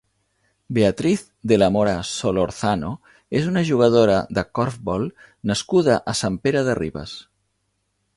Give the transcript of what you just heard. Beatriz de Mora Solorzano és una jugadora de corfbol nascuda a Sant Pere de Ribes.